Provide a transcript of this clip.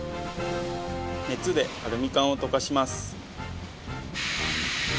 熱でアルミ缶を溶かします。